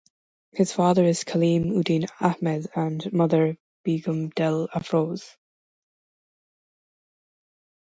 His father is Kalim Uddin Ahmed and mother Begum Del Afroz.